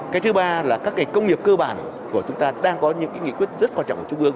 cái thứ ba là các ngành công nghiệp cơ bản của chúng ta đang có những nghị quyết rất quan trọng của trung ương